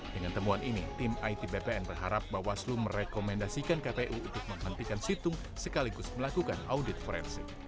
dengan temuan ini tim itbpn berharap bahwa selu merekomendasikan kpu untuk menghentikan situng sekaligus melakukan audit forensik